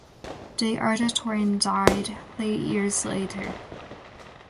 The other twin died three years later.